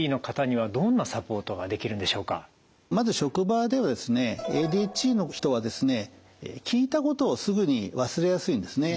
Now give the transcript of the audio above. まず職場ではですねＡＤＨＤの人はですね聞いたことをすぐに忘れやすいんですね。